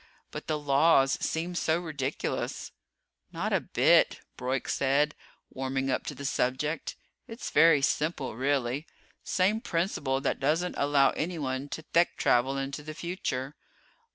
But the Laws seem so ridiculous." "Not a bit," Broyk said, warming up to the subject. "It's very simple, really. Same principle that doesn't allow anyone to Thek travel into the future.